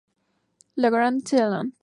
Le Grand-Celland